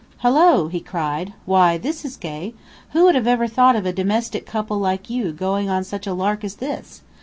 "Hello!" he cried. "Why, this is gay. Who would ever have thought of a domestic couple like you going on such a lark as this.